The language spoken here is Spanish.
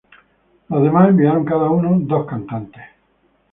Los demás enviaron cada uno dos cantantes.